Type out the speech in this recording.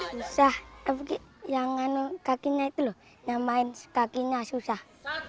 susah tapi yang kakinya itu loh yang main kakinya susah